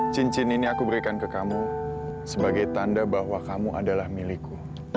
cincin ini aku berikan ke kamu sebagai tanda bahwa kamu adalah milikku